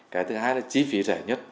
cái thứ hai là chi phí rẻ nhất